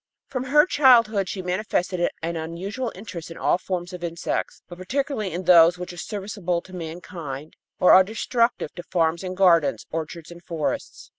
From her childhood she manifested an unusual interest in all forms of insects, but particularly in those which are serviceable to mankind or are destructive to farms and gardens, orchards and forests.